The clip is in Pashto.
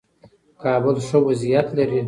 کابل ښه وضعیت لري.